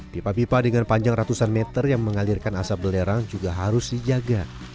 pipa pipa dengan panjang ratusan meter yang mengalirkan asap belerang juga harus dijaga